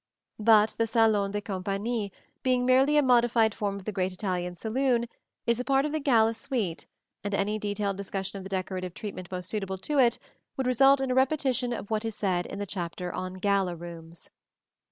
But the salon de compagnie, being merely a modified form of the great Italian saloon, is a part of the gala suite, and any detailed discussion of the decorative treatment most suitable to it would result in a repetition of what is said in the chapter on Gala Rooms.